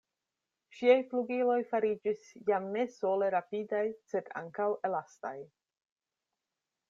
Ŝiaj flugiloj fariĝis jam ne sole rapidaj, sed ankaŭ elastaj!